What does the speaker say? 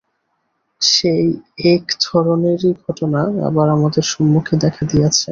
সেই এক ধরনেরই ঘটনা আবার আমাদের সম্মুখে দেখা দিয়াছে।